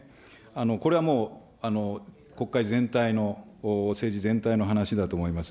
これはもう、国会全体の、政治全体の話だと思います。